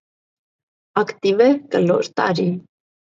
Ակտիվ է կլոր տարի։